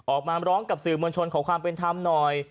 ออกมาร้องกับสื่อมวลชนขอความเป็นธรรมหน่อย